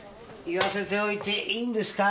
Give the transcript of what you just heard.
言わせておいていいんですか？